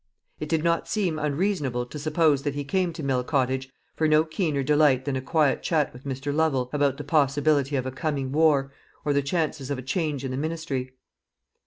It did not seem unreasonable to suppose that he came to Mill Cottage for no keener delight than a quiet chat with Mr. Lovel about the possibility of a coming war, or the chances of a change in the ministry.